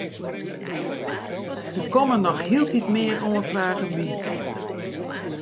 Der komme noch hieltyd mear oanfragen by.